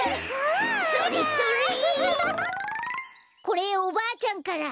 これおばあちゃんから。